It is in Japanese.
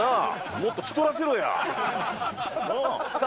もっと太らせろや。なあ。